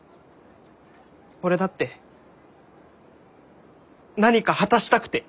俺だって何か果たしたくて！